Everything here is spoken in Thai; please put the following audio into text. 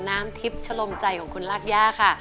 น้ำทิพย์ชะลมใจของคุณลากย่าค่ะ